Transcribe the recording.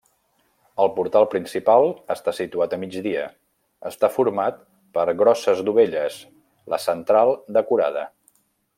El portal principal està situat a migdia, està format per grosses dovelles, la central decorada.